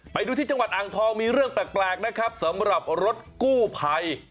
ไปดูที่จังหวัดอ่างทองมีเรื่องแปลกนะครับสำหรับรถกู้ภัย